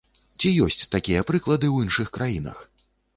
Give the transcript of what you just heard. Ці ёсць такія прыклады ў іншых краінах?